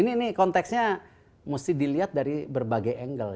ini konteksnya mesti dilihat dari berbagai angle